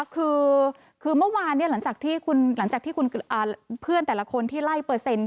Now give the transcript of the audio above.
คือเมื่อวานหลังจากที่เพื่อนแต่ละคนที่ไล่เปอร์เซ็นต์